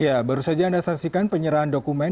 ya baru saja anda saksikan penyerahan dokumen